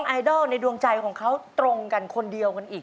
ไอดอลในดวงใจของเขาตรงกันคนเดียวกันอีก